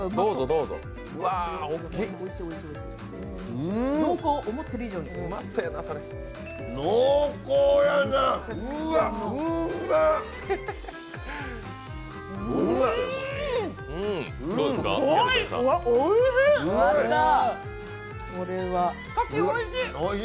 うわ、おいしい！